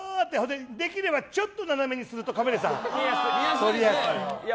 できればちょっと斜めにするとカメラさんが撮りやすい。